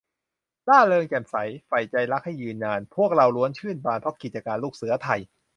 ร่าเริงแจ่มใส ใฝ่ใจรักให้ยืนนาน พวกเราล้วนชื่นบาน เพราะกิจการลูกเสือไทย